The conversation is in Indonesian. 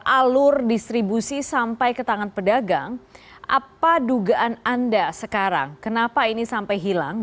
alur distribusi sampai ke tangan pedagang apa dugaan anda sekarang kenapa ini sampai hilang